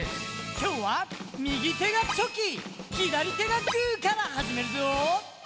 きょうは右手がチョキ左手がグーからはじめるぞ。